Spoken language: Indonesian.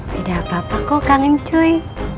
tidak apa apa kok kang uncuy